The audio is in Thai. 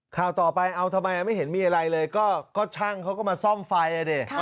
ข่าวต่อไปเอาทำไมไม่เห็นมีอะไรเลยก็ช่างเขาก็มาซ่อมไฟอ่ะดิ